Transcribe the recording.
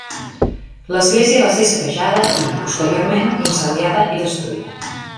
L'església va ser saquejada i, posteriorment, incendiada i destruïda.